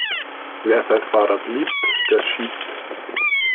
Wer sein Fahrrad liebt, der schiebt.